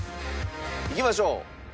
いきましょう。